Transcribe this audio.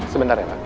sebentar ya pak